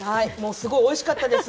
すごいおいしかったです。